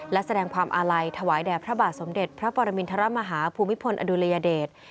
และแสดงความอาลัยถวายแด่พระบาทสมเด็จพระปรมินทรมาฮาภูมิพลอดุลยเดช